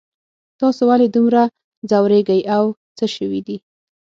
تاسو ولې دومره ځوریږئ او څه شوي دي